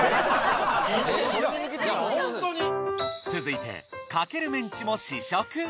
続いてかけるメンチも試食！